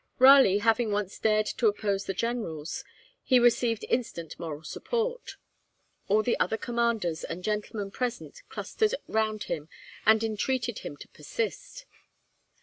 Raleigh having once dared to oppose the generals, he received instant moral support. All the other commanders and gentlemen present clustered round him and entreated him to persist.